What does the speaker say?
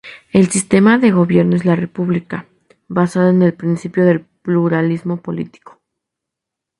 El sistema de gobierno es la República, basada en el principio del pluralismo político.